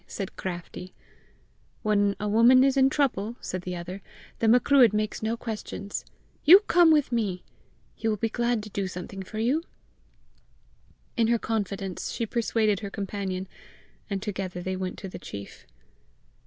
said Craftie. "When a woman is in trouble," said the other, "the Macruadh makes no questions. You come with me! He will be glad of something to do for you." In her confidence she persuaded her companion, and together they went to the chief.